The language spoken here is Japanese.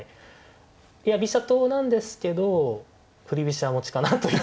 居飛車党なんですけど振り飛車持ちかなという。